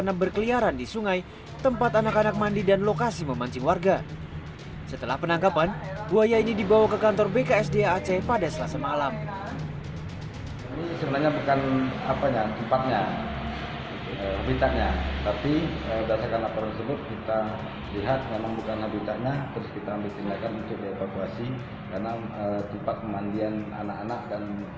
terus kita ambil tindakan untuk dievakuasi karena tempat mandian anak anak dan masyarakat mancing